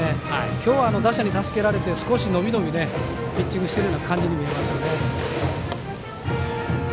きょうは打者に助けられて伸び伸びとピッチングしているような感じに見えますね。